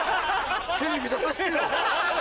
テレビ出させて！